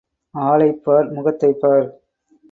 ஆளைப் பார் முகத்தைப் பார்.